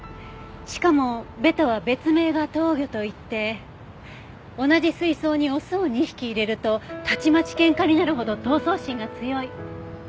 しかもベタは別名が闘魚といって同じ水槽にオスを２匹入れるとたちまち喧嘩になるほど闘争心が強い。